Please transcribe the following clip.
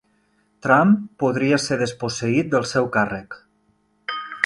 Trump podria ser desposseït del seu càrrec